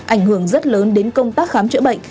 ảnh hưởng rất lớn đến công tác khám chữa bệnh